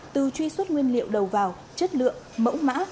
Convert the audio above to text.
từ truy xuất nguyên liệu đầu vào chất lượng mẫu mã